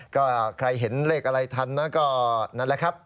ก็ใครเห็นเลขอะไรทันนะก็นั่นแหละครับ